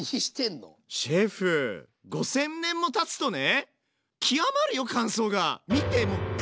シェフ５，０００年もたつとね極まるよ乾燥が！